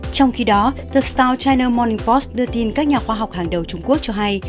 trong khi đó the south china morning post đưa tin các nhà khoa học hàng đầu trung quốc cho hay